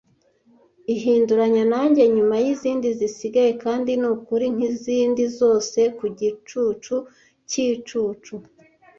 Ihinduranya nanjye nyuma yizindi zisigaye kandi nukuri nkizindi zose ku gicucu cyicucu,